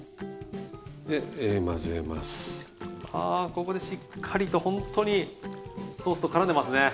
ここでしっかりとほんとにソースとからんでますね。